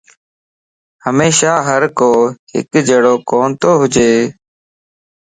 ھميشا ھر ڪو ھڪ جھڙوڪو توھونج